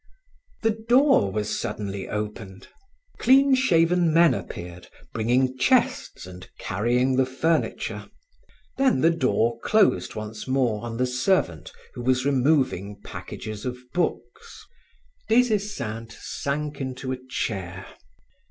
The door was suddenly opened. Clean shaved men appeared, bringing chests and carrying the furniture; then the door closed once more on the servant who was removing packages of books. Des Esseintes sank into a chair.